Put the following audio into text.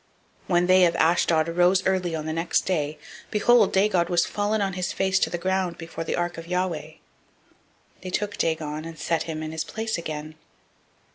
005:003 When they of Ashdod arose early on the next day, behold, Dagon was fallen on his face to the ground before the ark of Yahweh. They took Dagon, and set him in his place again.